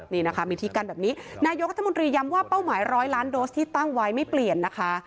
นี่นะคะมีที่กั้นแบบนี้นายกรัฐมนตรีย้ำว่าเป้าหมายร้อยล้านโดสที่ตั้งไว้ไม่เปลี่ยนนะคะ